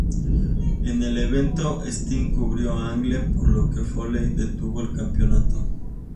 En el evento, Sting cubrió a Angle, por lo que Foley retuvo el campeonato.